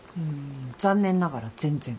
残念ながら全然。